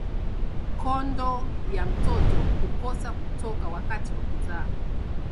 Kondo ya mtoto kukosa kutoka wakati wa kuzaa